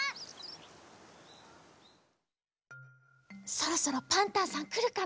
そろそろパンタンさんくるかな？